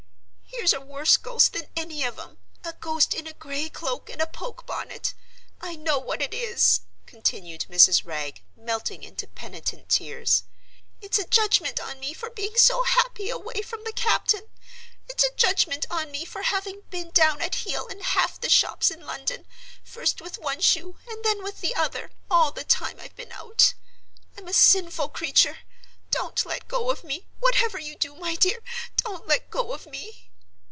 "Here's a worse ghost than any of 'em—a ghost in a gray cloak and a poke bonnet. I know what it is," continued Mrs. Wragge, melting into penitent tears. "It's a judgment on me for being so happy away from the captain. It's a judgment on me for having been down at heel in half the shops in London, first with one shoe and then with the other, all the time I've been out. I'm a sinful creature. Don't let go of me—whatever you do, my dear, don't let go of me!"